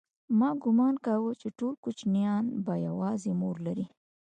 ما گومان کاوه چې ټول کوچنيان به يوازې مور لري.